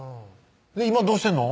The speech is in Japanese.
今どうしてんの？